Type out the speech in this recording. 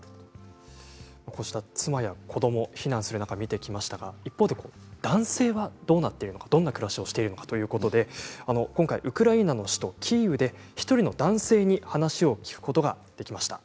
こうした妻や子ども避難する中、見てきましたが一方で男性はどうなっているのかどんな暮らしをしているのかということで今回ウクライナの首都キーウで１人の男性に話を聞くことができました。